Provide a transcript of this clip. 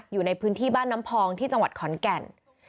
อยู่ในพื้นที่บ้านน้ำพองที่จังหวัดขอนแก่น